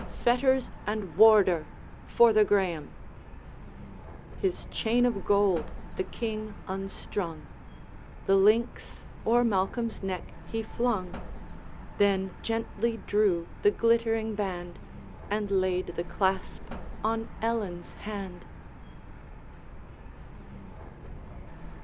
Fetters and warder for the Graeme!' His chain of gold the King unstrung, The links o'er Malcolm's neck he flung, Then gently drew the glittering band, And laid the clasp on Ellen's hand.